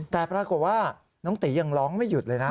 แต่ปรากฏว่าน้องตียังร้องไม่หยุดเลยนะ